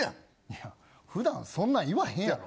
普段、そんな言わへんやろ。